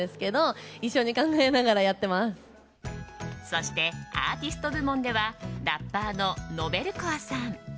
そして、アーティスト部門ではラッパーのＮｏｖｅｌＣｏｒｅさん